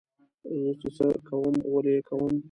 زه چې څه کوم ولې یې کوم.